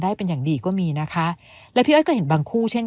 ได้เป็นอย่างดีก็มีนะคะแล้วพี่อ้อยก็เห็นบางคู่เช่น